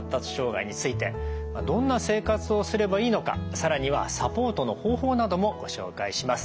どんな生活をすればいいのか更にはサポートの方法などもご紹介します。